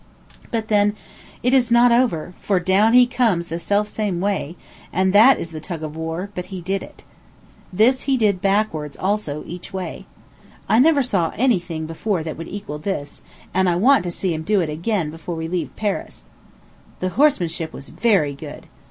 But then it is not over; for down he comes the selfsame way and that is the tug of war; but he did it. This he did backwards, also, each way. I never saw any thing before that would equal this, and I want to see him do it again before we leave Paris. The horsemanship was very good.